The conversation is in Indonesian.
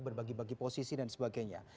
berbagi bagi posisi dan sebagainya